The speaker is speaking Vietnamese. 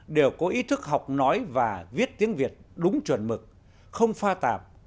đều có ý thức học nói và viết tiếng việt đúng chuẩn mực không pha tạp